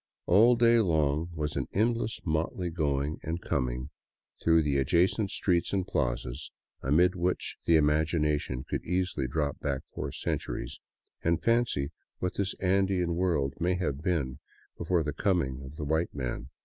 All day long was an endless motley going and coming through the adjacent streets and plazas, amid which the imagination could easily drop back four centuries and fancy what this Andean world may have been before the coming of the white man.